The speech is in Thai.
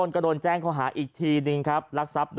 ครั้งเดียวครับ